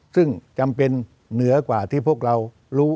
ซึ่งจำเป็นเหนือกว่าที่พวกเรารู้